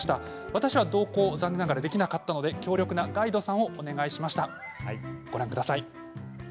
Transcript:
私は残念ながら同行できなかったので強力なガイドさんをお願いしました。